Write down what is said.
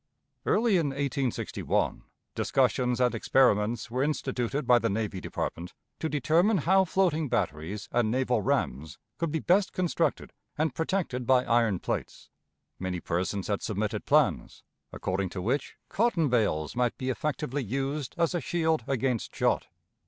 Early in 1861 discussions and experiments were instituted by the Navy Department to determine how floating batteries and naval rams could be best constructed and protected by iron plates. Many persons had submitted plans, according to which cotton bales might be effectively used as a shield against shot.